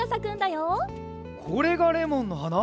これがレモンのはな？